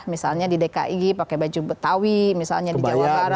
misalnya di dki pakai baju betawi misalnya di jawa barat